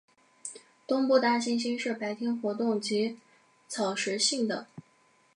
东部大猩猩是白天活动及草食性的。